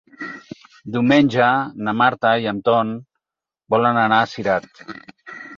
Diumenge na Marta i en Tom volen anar a Cirat.